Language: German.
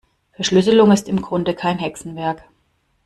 Verschlüsselung ist im Grunde kein Hexenwerk.